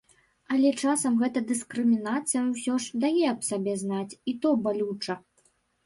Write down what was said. Але часам гэта дыскрымінацыя ўсё ж дае аб сабе знаць, і то балюча.